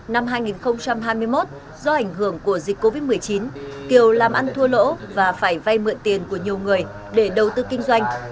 năm hai nghìn hai mươi một do ảnh hưởng của dịch covid một mươi chín kiều làm ăn thua lỗ và phải vay mượn tiền của nhiều người để đầu tư kinh doanh